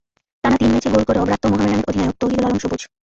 টানা তিন ম্যাচে গোল করেও ব্রাত্য মোহামেডানের অধিনায়ক তৌহিদুল আলম সবুজ।